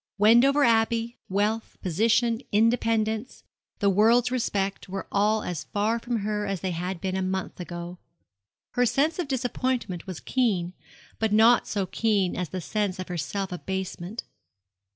Wendover Abbey, wealth, position, independence, the world's respect, were all as far from her as they had been a month ago. Her sense of disappointment was keen, but not so keen as the sense of her self abasement.